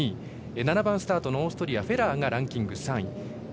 ７番スタート、オーストリアのフェラーがランキング３位。